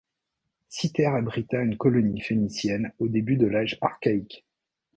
Cythère abrita une colonie phénicienne aux débuts de l'âge archaïque.